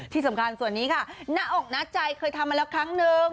ที่สำคัญส่วนนี้ค่ะหน้าอกหน้าใจเคยทำมาแล้วครั้งนึง